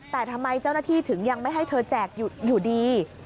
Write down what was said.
แต่ทำไมเจ้าหน้าที่ถึงยังไม่ให้เธอแจกอยู่ดี